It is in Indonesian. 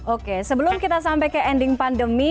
oke sebelum kita sampai ke ending pandemi